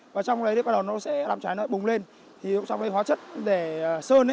và trong đấy thì bắt đầu nó sẽ đám cháy nó bùng lên thì trong cái hóa chất để sơn ấy